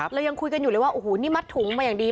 เรายังคุยกันอยู่เลยว่าโอ้โหนี่มัดถุงมาอย่างดี